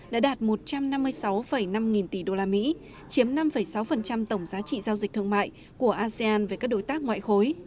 đã đạt một trăm năm mươi sáu năm nghìn tỷ usd chiếm năm sáu tổng giá trị giao dịch thương mại của asean với các đối tác ngoại khối